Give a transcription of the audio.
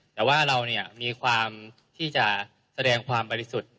แต่ว่าเรามีความที่จะแสดงความบริสุทธิ์